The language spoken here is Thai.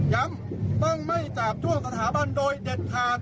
ต้องไม่จาบจ้วงสถาบันโดยเด็ดขาด